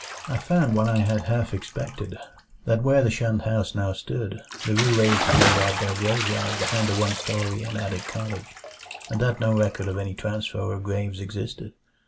I found what I had half expected, that where the shunned house now stood the Roulets had laid out their graveyard behind a one story and attic cottage, and that no record of any transfer of graves existed.